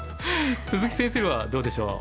鈴木先生はどうでしょう？